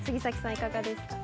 いかがですか？